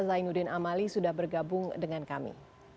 zainuddin amali sudah bergabung dengan kami